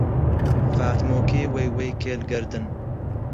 فاتمۆکێ وەی وەی کێل گەردن